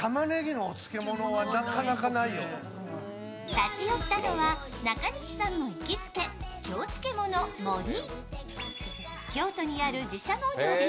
立ち寄ったのは中西さんの行きつけ、京つけものもり。